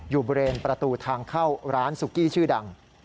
อยู่บริเวณประตูทางเข้าร้านสุกี้ชื่อดัง